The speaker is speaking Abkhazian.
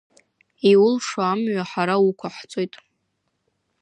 Иулшо амҩа ҳара уқәаҳҵоит.